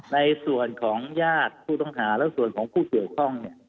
ในส่วนของญาติผู้ต้องหาแล้วส่วนของผู้เกี่ยวข้องเนี่ย